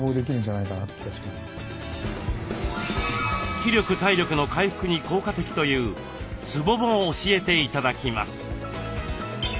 気力体力の回復に効果的というツボも教えて頂きます。